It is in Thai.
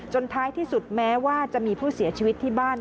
ท้ายที่สุดแม้ว่าจะมีผู้เสียชีวิตที่บ้าน